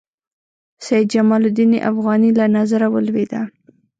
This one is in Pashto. سید جمال الدین افغاني له نظره ولوېد.